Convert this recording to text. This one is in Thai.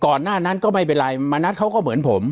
หน้านั้นก็ไม่เป็นไรมณัฐเขาก็เหมือนผม